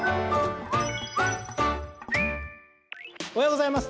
おはようございます。